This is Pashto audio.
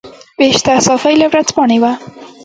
بهشته صافۍ له ورځپاڼې وه.